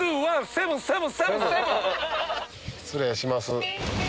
失礼します。